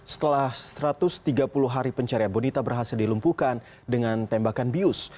setelah satu ratus tiga puluh hari pencarian bonita berhasil dilumpuhkan dengan tembakan bius